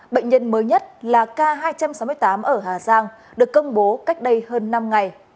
bệnh nhân mới nhất là k hai trăm sáu mươi tám ở hà giang được công bố cách đây hơn năm ngày